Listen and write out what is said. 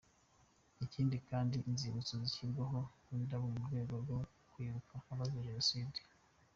Ikindi kandi inzibutso zishyirwaho indabo mu rwego rwo kwibuka abazize Jenoside.